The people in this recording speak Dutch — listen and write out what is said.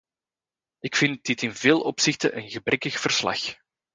Ik vind dit in veel opzichten een gebrekkig verslag.